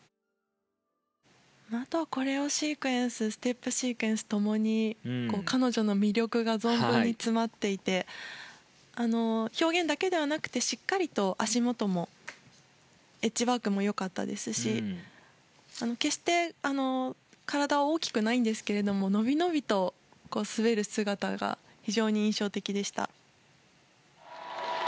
あとはコレオシークエンスステップシークエンス共に彼女の魅力が存分に詰まっていて表現だけではなくてしっかりと足元もエッジワークも良かったですし決して、体は大きくないんですが伸び伸びと滑る姿が非常に印象的でした。